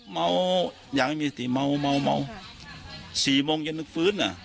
เมาอย่างไม่มีสติเมาเมาเมาสี่โมงจะนึกฟื้นอ่ะ